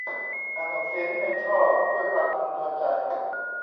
อ่านออกเสียงในท่อด้วยความพึงพอใจ